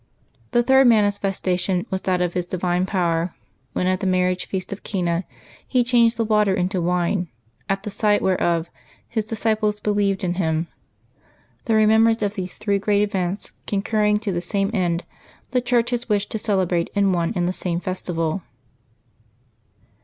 The third manifestation was that of His divine power, when at the marriage feast of Cana He changed the water into wine, at the sight whereof His disciples believed in Him. The remembrance of these three great events, concurring to the same end, the Church has wished to celebrate in one and the same festival.